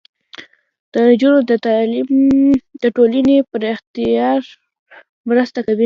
د نجونو تعلیم د ټولنې پراختیا مرسته کوي.